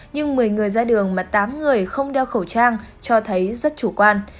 nhưng một mươi người ra đường mà tám người không đeo khẩu trang cho thấy rất chủ quan